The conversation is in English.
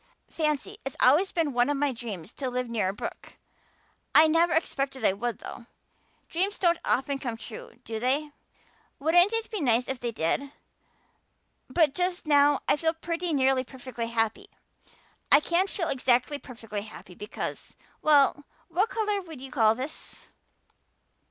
"Fancy. It's always been one of my dreams to live near a brook. I never expected I would, though. Dreams don't often come true, do they? Wouldn't it be nice if they did? But just now I feel pretty nearly perfectly happy. I can't feel exactly perfectly happy because well, what color would you call this?"